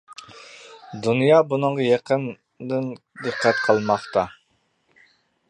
دۇنيا بۇنىڭغا يېقىندىن دىققەت قىلماقتا.